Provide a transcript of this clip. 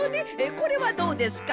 これはどうですか？